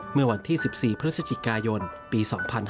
เมื่อวันที่๑๔พฤศจิกายนปี๒๕๕๙